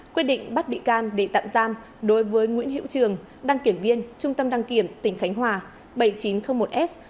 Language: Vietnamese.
quyết định bắt bị can để tạm giam đối với nguyễn hữu trường đăng kiểm viên trung tâm đăng kiểm tỉnh khánh hòa bảy nghìn chín trăm linh một s